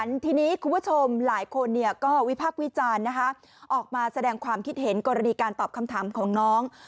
ทีนี้คุณผู้ชมหลายคนเนี่ยก็วิพักษ์วิจารณ์นะคะออกมาแสดงความคิดเห็นกรณีการตอบคำถามของน้อง